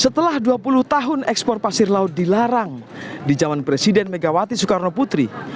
setelah dua puluh tahun ekspor pasir laut dilarang di jaman presiden megawati soekarno putri